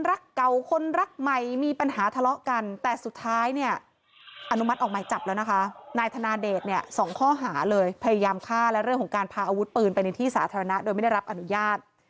อาวุธปืนไปในที่สาธารณะโดยไม่ได้รับอนุญาต